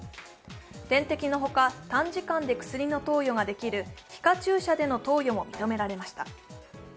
点滴のほか、短時間で薬の投与ができる皮下注射での投与も認められました。